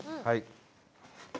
はい。